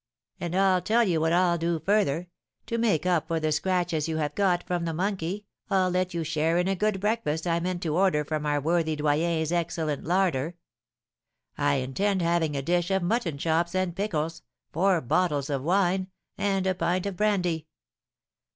'And I'll tell you what I'll do further, to make up for the scratches you have got from the monkey, I'll let you share in a good breakfast I meant to order from our worthy Doyen's excellent larder; I intend having a dish of mutton chops and pickles, four bottles of wine, and a pint of brandy.'